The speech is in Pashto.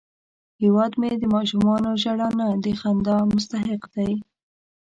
هیواد مې د ماشومانو ژړا نه، د خندا مستحق دی